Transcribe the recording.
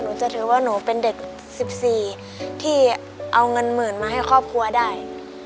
หนูจะภูมิใจมากหนูจะเทียบว่าหนูเป็นเด็ก๑๔ที่เอาเงินหมื่นมาให้ครอบครัวได้